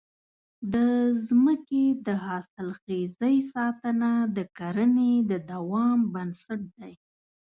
د ځمکې د حاصلخېزۍ ساتنه د کرنې د دوام بنسټ دی.